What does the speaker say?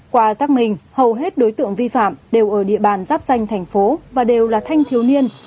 qua giác minh hầu hết đối tượng vi phạm đều ở địa bàn giáp xanh thành phố và đều là thanh thiếu niên